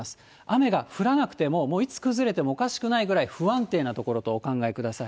雨が降らなくてももういつ崩れてもおかしくないぐらい不安定な所とお考えください。